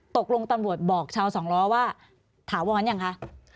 ตกลงตำรวจบอกชาวสองล้อว่าถามว้อนอย่างคะ